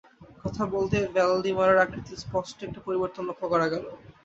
কথা বলতেই ভ্যালডিমারের আকৃতিতে স্পষ্ট একটা পরিবর্তন লক্ষ করা গেল।